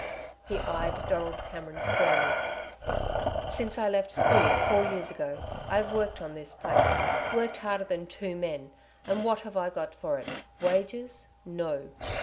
He eyed Donald Cameron squarely. "Since I left school four years ago, I've worked on this place worked harder than two men. And what have I got for it wages? No.